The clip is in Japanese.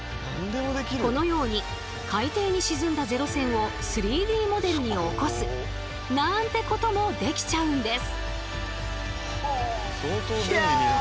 このように海底に沈んだ零戦を３Ｄモデルに起こすなんてこともできちゃうんです。